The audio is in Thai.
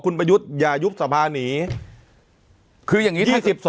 คุณประยุทธ์อย่ายุบสภาหนี